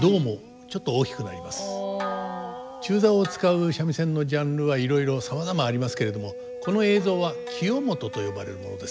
中棹を使う三味線のジャンルはいろいろさまざまありますけれどもこの映像は清元と呼ばれるものです。